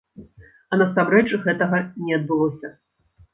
А насамрэч гэтага не адбылося.